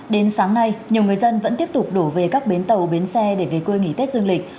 đến sáng nay nhiều người dân vẫn tiếp tục đổ về các bến tàu bến xe để về quê nghỉ tết dương lịch